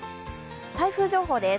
台風情報です。